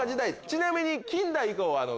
ちなみに。